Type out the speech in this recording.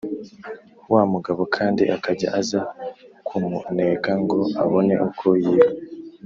wa mugabo kandi akajya aza kumuneka ngo abone uko yiba